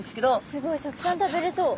すごいたくさん食べれそう。